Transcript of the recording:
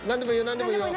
何でもいいよ。